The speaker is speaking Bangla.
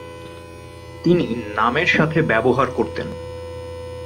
তিনি নামের সাথে ব্যবহার করতেন।